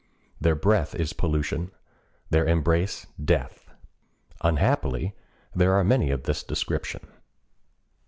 Their breath is pollution; their embrace, death. Unhappily there are many of this description.